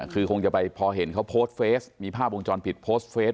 คือคงจะไปพอเห็นเขาโพสต์เฟสมีภาพวงจรปิดโพสต์เฟส